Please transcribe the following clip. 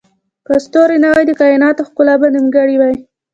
که ستوري نه وای، د کایناتو ښکلا به نیمګړې وای.